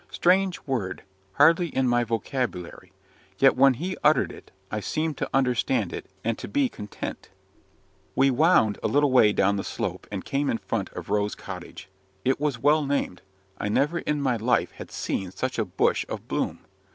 Strange word! hardly in my vocabulary. Yet, when he uttered it, I seemed to understand it and to be content. We wound a little way down the slope, and came in front of Rose Cottage. It was well named. I never in my life had seen such a bush of bloom.